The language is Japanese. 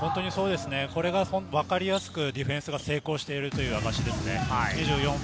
これがわかりやすくディフェンスが成功しているという証しです。